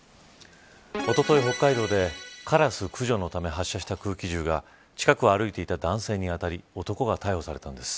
おととい、北海道でカラス駆除のため発射した空気銃が近くを歩いていた男性に当たり男が逮捕されたんです。